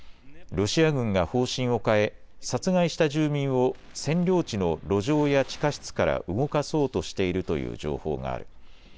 ロシア軍が方針を変え殺害した住民を占領地の路上や地下室から動かそうとしているという情報がある。